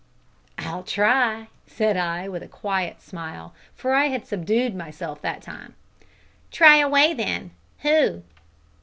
"I'll try," said I, with a quiet smile, for I had subdued myself by that time. "Try away then who?"